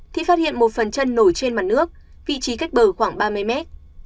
thì phát hiện một phần chân nổi trên mặt nước vị trí cách bờ khoảng ba mươi mét